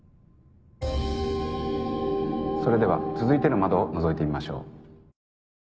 それでは続いての窓をのぞいてみましょう。